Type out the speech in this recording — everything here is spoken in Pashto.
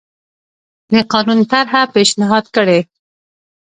د قانون طرحه پېشنهاد کړي.